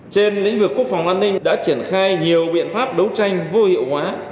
trên lĩnh vực quốc phòng an ninh đã triển khai nhiều biện pháp đấu tranh vô hiệu hóa